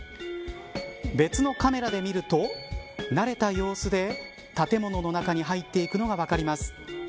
別のカメラで見ると慣れた様子で建物の中に入っていくのが分かります。